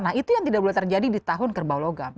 nah itu yang tidak boleh terjadi di tahun kerbau logam